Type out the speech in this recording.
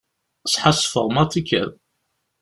Sḥassfeɣ maḍi kan.